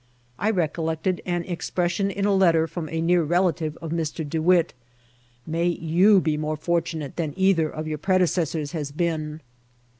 I recollected an ex pression in a letter from a near relative of Mr. Dewitt : 40 INCIDENTS OF TE AY BL. '^ Hay you be more fortunate than either of your pred ecessors has been."